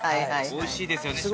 ◆おいしいですよね島